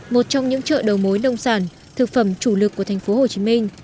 một trong những chợ đầu mối nông sản thực phẩm chủ lực của tp hcm